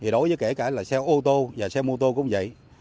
đối với kể cả là xe ô tô và xe mô tô cũng vậy